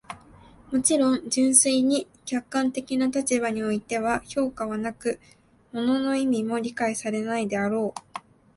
もちろん、純粋に客観的な立場においては評価はなく、物の意味も理解されないであろう。